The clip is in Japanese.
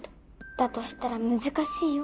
だとしたら難しいよ？